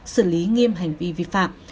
sử lý nghiêm hành vi vi phạm